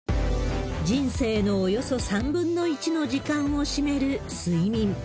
人生のおよそ３分の１の時間を占める睡眠。